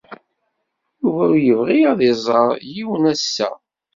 Yuba ur yebɣi ad iẓer yiwen ass-a.